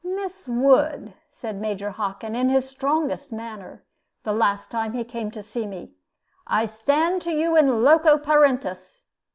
"Miss Wood," said Major Hockin, in his strongest manner, the last time he came to see me, "I stand to you in loco parentis.